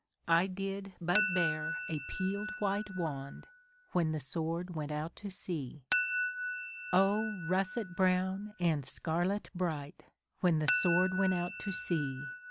I did but bear a peel'd white wand, When the Sword went out to sea. O, russet brown and scarlet bright. When the Sword went out to sea.